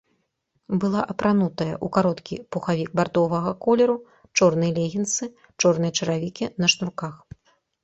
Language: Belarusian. Была апранутая ў кароткі пухавік бардовага колеру, чорныя легінсы, чорныя чаравікі на шнурках.